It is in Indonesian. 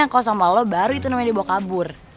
kalau sama lo baru itu namanya dibawa kabur